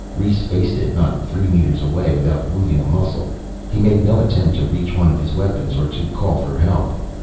Rhes faced it, not three meters away, without moving a muscle. He made no attempt to reach one of his weapons or to call for help.